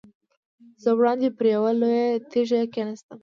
زه وړاندې پر یوه لویه تیږه کېناستم.